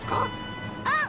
うん！